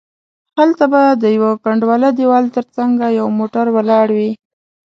هلته به د یوه کنډواله دیوال تر څنګه یو موټر ولاړ وي.